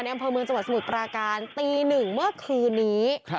อำเภอเมืองจังหวัดสมุทรปราการตีหนึ่งเมื่อคืนนี้